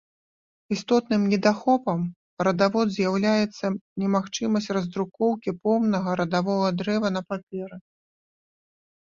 Істотным недахопам радавод з'яўляецца немагчымасць раздрукоўкі поўнага радавога дрэва на паперы.